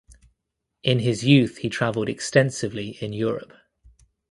In his youth he travelled extensively in Europe.